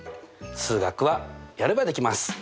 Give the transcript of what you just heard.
数学はやればできます！